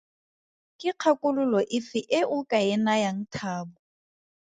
Ke kgakololo efe e o ka e nayang Thabo?